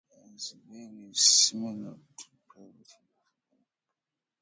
This is very similar to the pivot used in ballet work.